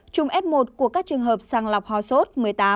hai chùm s một của các trường hợp sàng lọc hòa sốt một mươi tám